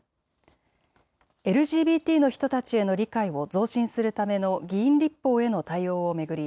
ＬＧＢＴの人たちへの理解を増進するための議員立法への対応を巡り